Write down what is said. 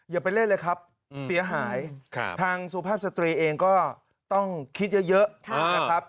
อย่าไปเล่นเลยครับเสียหายทางสุภาพสตรีเองก็ต้องคิดเยอะนะครับ